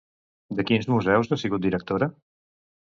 De quins museus ha sigut directora?